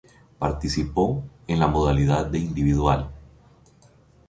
Participó en en la modalidad de Individual.